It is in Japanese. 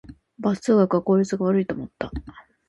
バス通学は効率が悪いと思った